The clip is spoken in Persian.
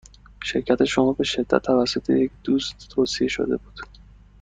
شرکت شما به شدت توسط یک دوست توصیه شده بود.